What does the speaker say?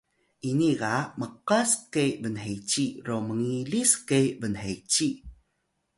ini ga mqas ke bnheci ro mngilis ke bnheci